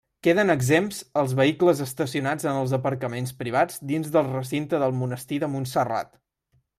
Queden exempts els vehicles estacionats en els aparcaments privats dins del recinte del monestir de Montserrat.